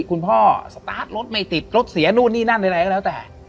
คุณพ่อสตาร์ทรถไม่ติดรถเสียนู่นนี่นั่นอะไรก็แล้วแต่